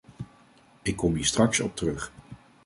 Ik kom hier straks op terug.